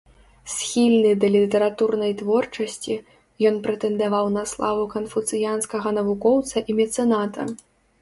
Схільны да літаратурнай творчасці, ён прэтэндаваў на славу канфуцыянскага навукоўца і мецэната.